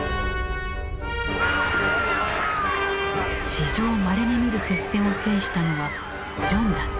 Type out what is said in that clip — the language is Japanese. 史上まれにみる接戦を制したのはジョンだった。